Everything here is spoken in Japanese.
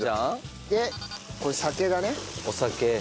でこれ酒がね。お酒。